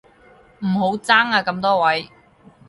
唔好爭啊咁多位